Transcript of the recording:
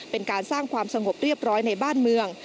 เป็นการสร้างความสงบเรียบร้อยในบ้านเมือง